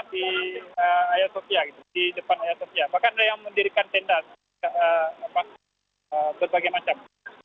bahkan ada yang mendirikan tenda berbagai macam